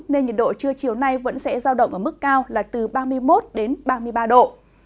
nên nhiệt độ trưa chiều nay vẫn sẽ giao động ở mức cao là từ ba mươi một đến ba mươi ba độ